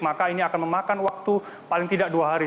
maka ini akan memakan waktu paling tidak dua hari